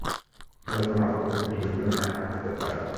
তবে কোনো অবস্থাতেই তিনি শুভেচ্ছা বিনিময়ের নামে ভোট চাইতে পারেন না।